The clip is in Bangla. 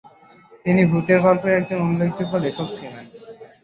তিনি ভূতের গল্পের একজন উল্লেখযোগ্য লেখক ছিলেন।